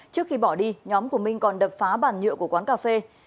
trước khi bỏ đi nhóm của minh còn đập phá bàn nhựa của quán cà phê